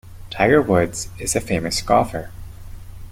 Tiger Woods is a famous golfer.